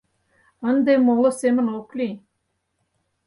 Ынде моло семын ок лий...